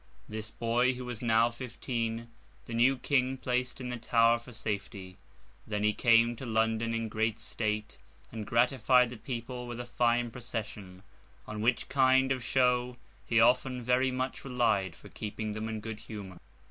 This boy, who was now fifteen, the new King placed in the Tower for safety. Then he came to London in great state, and gratified the people with a fine procession; on which kind of show he often very much relied for keeping them in good humour.